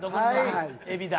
エビだ。